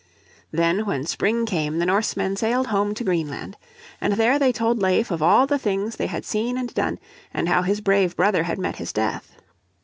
Then when spring came the Norsemen sailed home to Greenland. And there they told Leif of all the things they had seen and done, and how his brave brother had met his death.